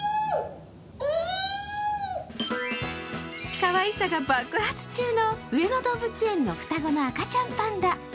かわいさが爆発中の上野動物園の双子の赤ちゃんパンダ。